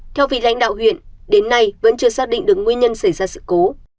theo vị lãnh đạo huyện đến nay vẫn chưa xác định được nguyên nhân xảy ra sự cố